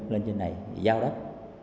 lên trên này giao đất